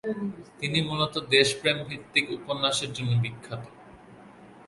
তিনি মূলত দেশপ্রেমভিত্তিক উপন্যাসের জন্য বিখ্যাত।